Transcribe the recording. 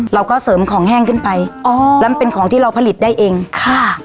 เราก็เสริมของแห้งขึ้นไปอ๋อแล้วมันเป็นของที่เราผลิตได้เองค่ะ